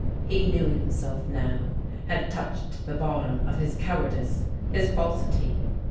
He knew himself now; had touched the bottom of his cowardice, his falsity.